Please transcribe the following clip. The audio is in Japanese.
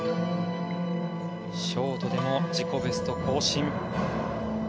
ショートでも自己ベスト更新。